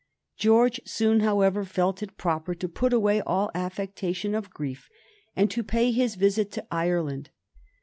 George soon, however, felt it proper to put away all affectation of grief, and to pay his visit to Ireland.